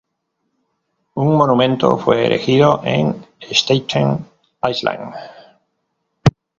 Un monumento fue erigido en Staten Island.